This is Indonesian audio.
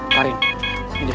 karin sini dia